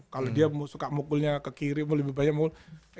kalau dia suka mukulnya ke kiri mau lebih banyak mukul